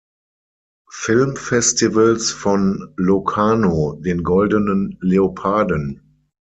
Filmfestivals von Locarno den Goldenen Leoparden.